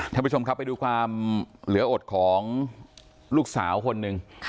ท่านผู้ชมครับไปดูความเหลืออดของลูกสาวคนหนึ่ง